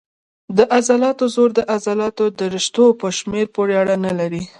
د عضلاتو زور د عضلاتو د رشتو په شمېر پورې اړه نه لري.